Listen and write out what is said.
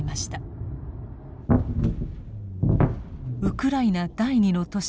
ウクライナ第二の都市